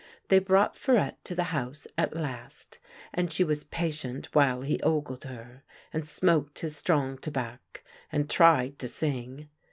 They brought Farette to the house at last, and she was patient while he ogled her, and smoked his strong fabac, and tried to sing.